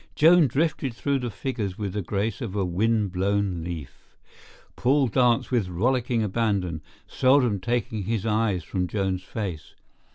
Joan drifted through the figures with the grace of a wind blown leaf. Paul danced with rollicking abandon, seldom taking his eyes from Joan's face.